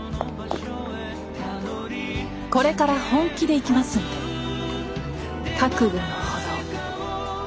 これから本気でいきますんで覚悟のほどを。